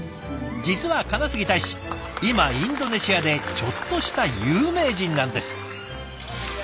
実は金杉大使今インドネシアでちょっとした有名人なんです。